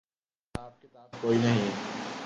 حساب کتاب کوئی نہیں۔